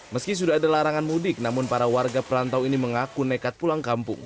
meski sudah ada larangan mudik namun para warga perantau ini mengaku nekat pulang kampung